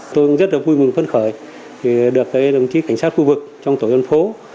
tôi cũng rất vui mừng phân khởi được đồng chí cảnh sát khu vực trong tổ nhân phố